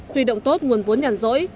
huy động tốt nguồn vốn nhàn rỗi